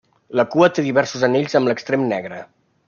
La cua té diversos anells amb l'extrem negre.